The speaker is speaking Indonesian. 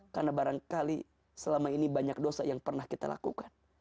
karena barangkali selama ini banyak dosa yang pernah kita lakukan